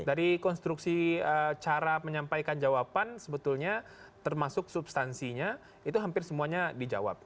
dari konstruksi cara menyampaikan jawaban sebetulnya termasuk substansinya itu hampir semuanya dijawab